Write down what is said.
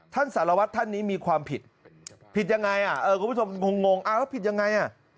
สารวัตรท่านนี้มีความผิดผิดยังไงอ่ะเออคุณผู้ชมงงอ้าวแล้วผิดยังไงอ่ะ